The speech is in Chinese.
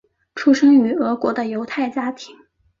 出生于俄国的犹太家庭。